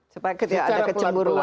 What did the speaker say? supaya tidak ada keceburuan juga ya